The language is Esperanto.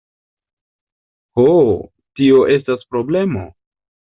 Ho, tio estas problemo!